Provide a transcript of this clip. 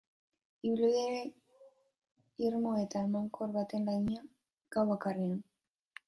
Ibilbide irmo eta emankor baten lagina, gau bakarrean.